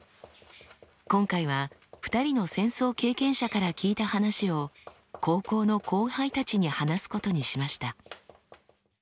今回は２人の戦争経験者から聞いた話を高校の後輩たちに話すことにしました。